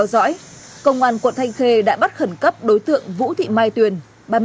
rồi cái gì đó tính tiếp